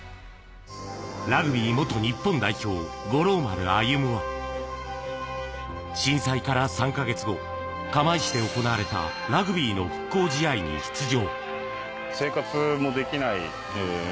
ラグビー元日本代表、五郎丸歩は震災から３か月後、釜石で行われたラグビーの復興試合に出場。